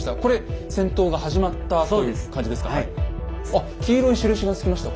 あっ黄色い印がつきました。